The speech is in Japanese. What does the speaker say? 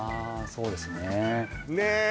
そうですねねー！